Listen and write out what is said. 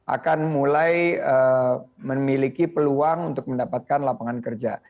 akan mulai memiliki peluang untuk mendapatkan lapangan kerja